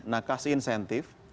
nah kasih insentif